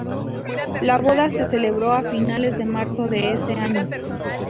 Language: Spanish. La boda se celebró a fines de marzo de ese año.